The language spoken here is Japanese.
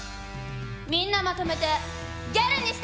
みんなまとめてギャルにしておしまい！